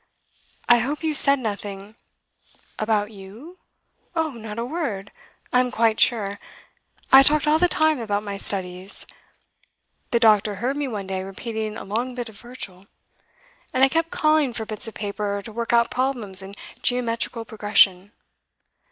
'I hope you said nothing ' 'About you? Oh, not a word; I'm quite sure. I talked all the time about my studies. The doctor heard me one day repeating a long bit of Virgil. And I kept calling for bits of paper to work out problems in Geometrical Progression.